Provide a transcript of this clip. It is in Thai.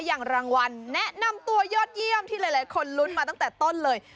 อย่างรางวัลแนะนำตัวยอดเยี่ยมที่หลายคนลุ้นมาตั้งแต่ต้นเลย